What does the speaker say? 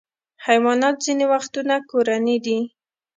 حیوانات ځینې وختونه کورني دي.